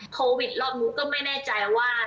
โควิดรอบนู้นก็ไม่แน่ใจว่า